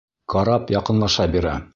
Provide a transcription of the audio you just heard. Карап яҡынлаша бирә.